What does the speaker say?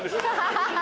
ハハハ！